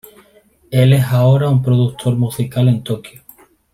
Él es ahora un productor musical en Tokio.